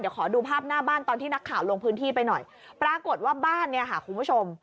เดี๋ยวขอดูภาพหน้าบ้านตอนที่นักข่าวลงพื้นที่ไปหน่อยปรากฏว่าบ้านเนี่ยค่ะคุณผู้ชม